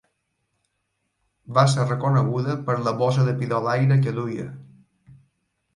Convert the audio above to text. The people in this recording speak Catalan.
Va ser reconeguda per la bossa de pidolaire que duia.